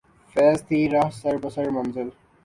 فیضؔ تھی راہ سر بسر منزل